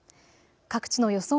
各地の予想